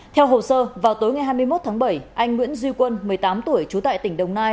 theo hồ sơ vào tối ngày hai mươi một tháng bảy anh nguyễn duy quân một mươi tám tuổi trú tại tỉnh đồng nai